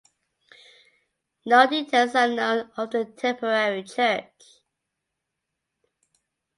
No details are known of the temporary church.